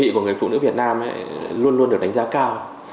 địa vị của người phụ nữ việt nam luôn luôn được đánh giá cao